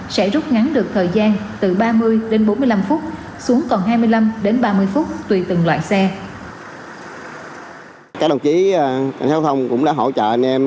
sẽ rút ngắn được thời gian từ ba mươi đến bốn mươi năm phút xuống còn hai mươi năm đến ba mươi phút tùy từng loại xe